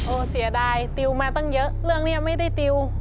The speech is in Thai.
เสียดายติวมาตั้งเยอะเรื่องนี้ไม่ได้ติว